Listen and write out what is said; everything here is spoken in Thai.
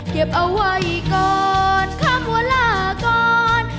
เก็บเอาไว้ก่อนคำว่าลาก่อน